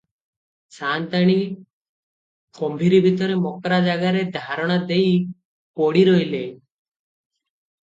ସାଅନ୍ତାଣୀ ଗମ୍ଭୀରି ଭିତରେ ମକ୍ରା ଜାଗାରେ ଧାରଣା ଦେଇ ପଡ଼ି ରହିଲେ ।